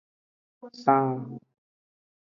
San.